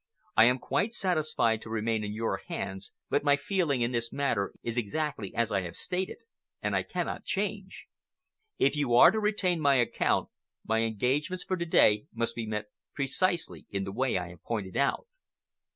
I am quite satisfied to remain in your hands, but my feeling in the matter is exactly as I have stated, and I cannot change. If you are to retain my account, my engagements for to day must be met precisely in the way I have pointed out."